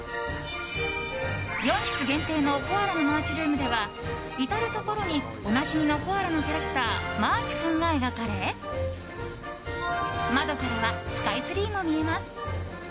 ４室限定のコアラのマーチルームでは至るところにおなじみのコアラのキャラクターマーチくんが描かれ窓からはスカイツリーも見えます。